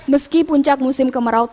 meski puncak musim kemerau terkenal